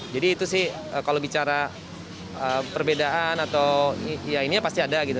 jadi itu sih kalau bicara perbedaan atau ya ini pasti ada gitu